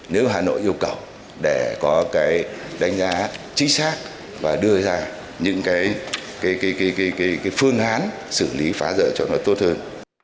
nếu hà nội yêu cầu để có cái đánh giá chính xác và đưa ra những cái phương án xử lý phá rỡ cho nó tốt hơn